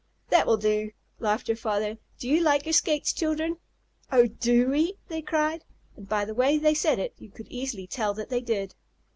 "That will do," laughed her father. "Do you like your skates, children?" "Oh, do we?" they cried, and by the way they said it you could easily tell that they did.